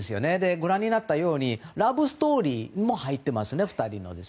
ご覧になったようにラブストーリーも入っていますね、２人の。